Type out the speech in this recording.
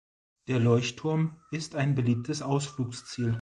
Der Leuchtturm ist ein beliebtes Ausflugsziel.